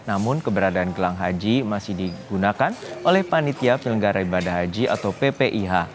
namun keberadaan gelang haji masih digunakan oleh panitia penyelenggara ibadah haji atau ppih